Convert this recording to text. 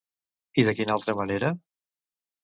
I de quina altra manera?